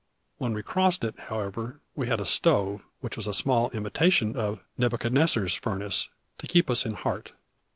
When we crossed it, however, we had a stove, which was a small imitation of Nebuchadnezzar's furnace, to keep us in heart.